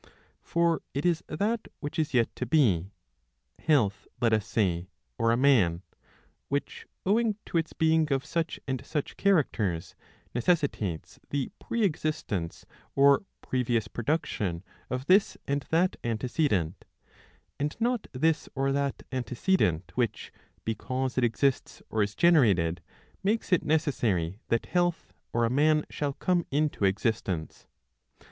For it is that which is yet to be — health, let us say, or a man — which, owing to its being of such and such characters, necessitates the pre existence or previous production of this and that antecedent ; and not this or that antecedent which, because it exists or is generated, makes it necessary that health or a man shall come into existence.